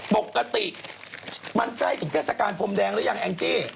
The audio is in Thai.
ปกติมั่นใจกับเกษตรการภอมแดงหรือยังแองจี่